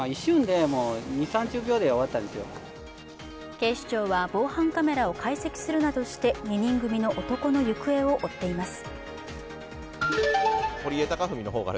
警視庁は、防犯カメラを解析するなどして２人組の男の行方を追っています。